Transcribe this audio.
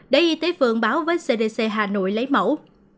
để y tế phường báo với cdc hà nội lấy mẫu